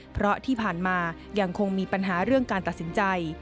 เพราะที่ผ่านมายังคงมีปัญหาเรื่องการตัดสินใจ